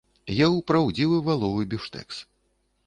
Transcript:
Еў праўдзівы валовы біфштэкс.